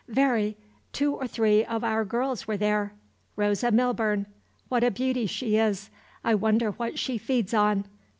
"Very. Two or three of our girls were there. Rosa Milburn. What a beauty she is! I wonder what she feeds on!